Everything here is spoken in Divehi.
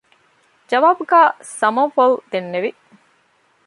ޖަވާބުގައި ސަމަވްއަލް ދެންނެވި